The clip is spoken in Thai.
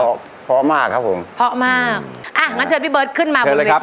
พอพอมากครับผมพอมากอ่ะงั้นเชิญพี่เบิร์ดขึ้นมาบนเวทีค่ะ